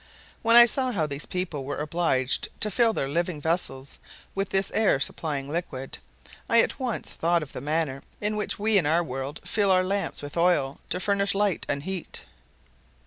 When I saw how these people were obliged to fill their living vessels with this air supplying liquid, I at once thought of the manner in which we in our world fill our lamps with oil to furnish light and heat.